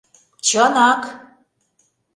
Чынак!